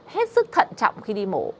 hết sức thận trọng khi đi mổ